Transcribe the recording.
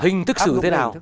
hình thức xử thế nào